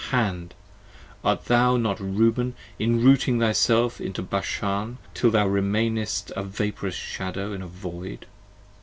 Hand! art thou not Reuben enrooting thyself into Bashan, Till thou remainest a vaporous Shadow in a Void?